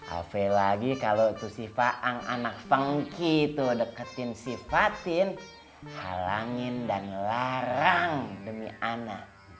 apalagi kalau si faang anak fengki deketin si fatin halangin dan ngelarang demi anak